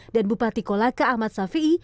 dan bupati kolaka ahmad safi'i